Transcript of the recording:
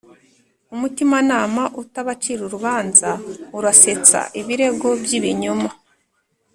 umutimanama utabacira urubanza urasetsa ibirego by'ibinyoma.